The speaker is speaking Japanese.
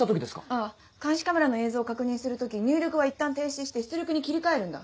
ああ監視カメラの映像を確認する時入力はいったん停止して出力に切り替えるんだ。